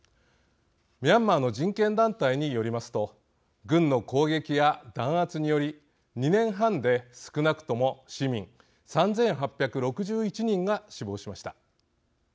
ミャンマーの人権団体によりますと軍の攻撃や弾圧により２年半で少なくとも市民３８６１人が死亡しました。